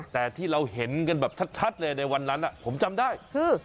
แต่ที่เราเห็นกันแบบชัดเลยในวันนั้นผมจำได้คือ